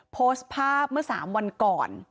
โพสต์ภาพเมื่อ๓วันก่อน